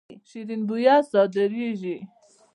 شیرین بویه صادریږي.